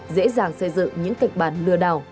dễ dàng xây dựng những kịch bản lừa đảo